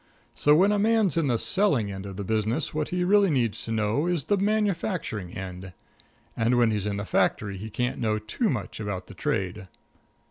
So, when a man's in the selling end of the business what he really needs to know is the manufacturing end; and when he's in the factory he can't know too much about the trade.